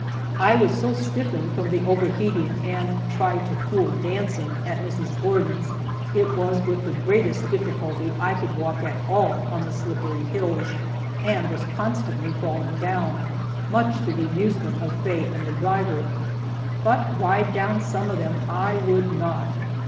I was so stiffened from the overheating and try to fool dancing at Mrs. Gordon's, it was with the greatest difficulty I could walk at all on the slippery hills, and was constantly falling down, much to the amusement of Faye and the driver. But ride down some of them I would not.